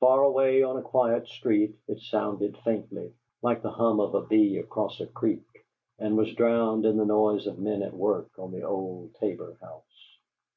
Far away, on a quiet street, it sounded faintly, like the hum of a bee across a creek, and was drowned in the noise of men at work on the old Tabor house.